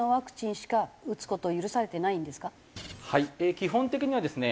基本的にはですね